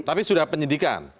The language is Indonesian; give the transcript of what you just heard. tapi sudah penyidikan